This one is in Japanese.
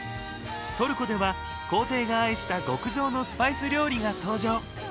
トルコでは皇帝が愛した極上のスパイス料理が登場。